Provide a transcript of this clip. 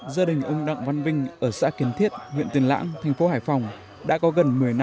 gia đình ưng đặng văn vinh ở xã kiến thiết huyện tiền lãng thành phố hải phòng